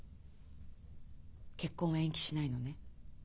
結婚は延期しないのね？